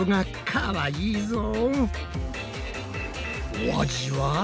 お味は？